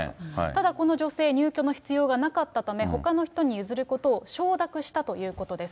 ただ、この女性、入居の必要がなかったため、ほかの人に譲ることを承諾したということです。